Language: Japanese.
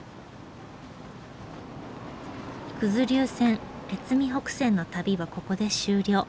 九頭竜線越美北線の旅はここで終了。